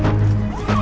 kejar ga mungkin kaiser